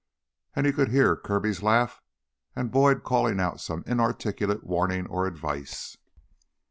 And he could hear Kirby's laugh and Boyd calling out some inarticulate warning or advice.